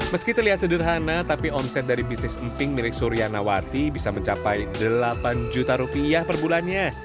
meski terlihat sederhana tapi omset dari bisnis emping milik surya nawati bisa mencapai delapan juta rupiah per bulannya